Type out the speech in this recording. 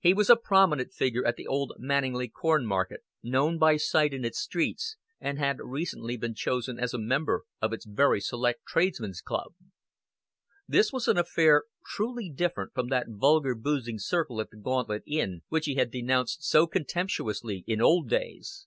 He was a prominent figure at the Old Manninglea corn market, known by sight in its streets, and had recently been chosen as a member of its very select tradesmen's club. This was an affair truly different from that vulgar boozing circle at the Gauntlet Inn which he had denounced so contemptuously in old days.